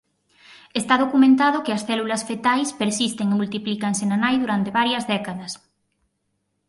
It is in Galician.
Está documentado que as células fetais persisten e multiplícanse na nai durante varias décadas.